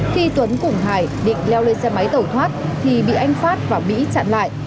khi tuấn cùng hải định leo lên xe máy tẩu thoát thì bị anh phát và mỹ chặn lại